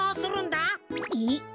えっ？